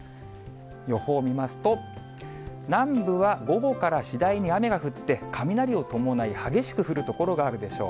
予報見ますと、南部は午後から次第に雨が降って、雷を伴い、激しく降る所があるでしょう。